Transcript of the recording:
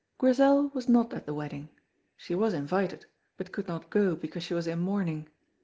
Grizel was not at the wedding; she was invited, but could not go because she was in mourning.